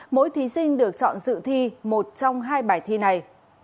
mỗi thí sinh được chọn dự thi một trong hai bài thi này